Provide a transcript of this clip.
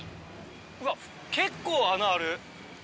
うわ結構穴ある。